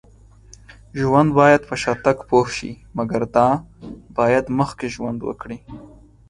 ژوند باید په شاتګ پوه شي. مګر دا باید مخکې ژوند وکړي